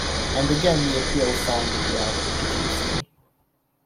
And again the appeal sounded rather piteously.